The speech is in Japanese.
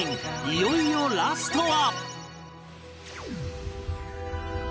いよいよラストは